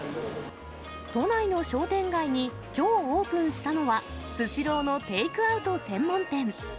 都内の商店街にきょうオープンしたのは、スシローのテイクアウト専門店。